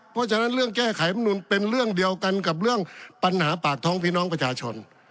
เพราะฉะนั้นเรื่องแก้ไขมนุนเป็นเรื่องเดียวกันกับเรื่องปัญหาปากท้องพี่น้องประชาชน